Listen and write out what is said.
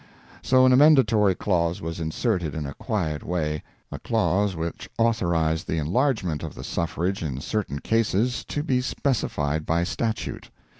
So an amendatory clause was inserted in a quiet way; a clause which authorised the enlargement of the suffrage in certain cases to be specified by statute.